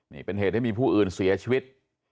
นี่เป็นเหตุให้มีผู้อื่นเสียชีวิต